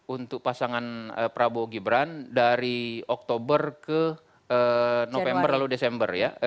untuk pasangan prabowo gibran dari oktober ke november lalu desember ya